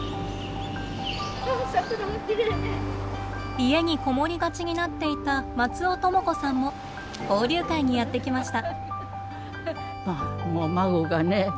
家にこもりがちになっていた松尾智子さんも交流会にやって来ました。